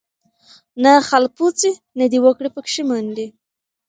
نه خالپوڅي نه دي وکړې پکښی منډي